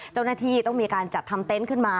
เจ้าหน้าที่ต้องมีการจัดทำเต็นต์ขึ้นมา